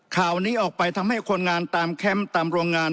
ข่าวนี้ออกไปทำให้คนงานตามแคมป์ตามโรงงาน